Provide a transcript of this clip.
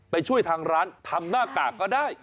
ไปช่วยทางร้านทำหน้ากากก็ได้